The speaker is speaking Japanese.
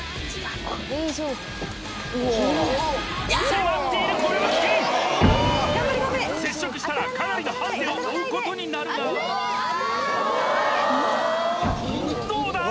迫っているこれは危険！接触したらかなりのハンデを負うことになるがどうだ？